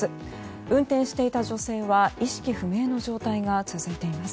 運転していた女性は意識不明の状態が続いています。